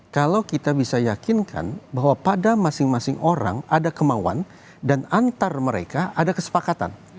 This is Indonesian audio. kalau kita bisa yakinkan bahwa pada masing masing orang ada kemauan dan antar mereka ada kesepakatan